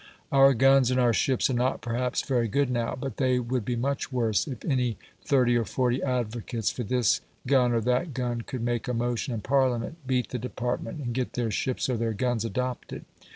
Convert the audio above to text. Our guns and our ships are not, perhaps, very good now. But they would be much worse if any thirty or forty advocates for this gun or that gun could make a motion in Parliament, beat the department, and get their ships or their guns adopted.